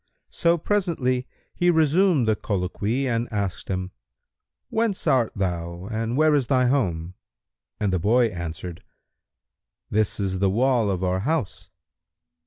So presently he resumed the colloquy and asked him, "Whence art thou and where is thy home?"; and the boy answered, "This is the wall of our house."